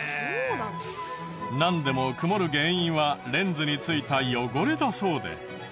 なんでも曇る原因はレンズについた汚れだそうで。